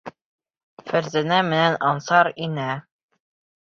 Фәрзәнә менән Ансар инә.